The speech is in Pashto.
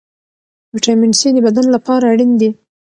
ویټامین سي د بدن لپاره اړین دی.